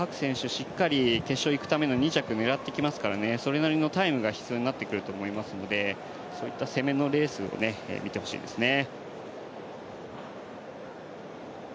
しっかり、決勝に行くためにタイムを狙ってきますので、それなりのタイムが必要になってくると思いますのでそういった攻めのレースを見てほしいですね。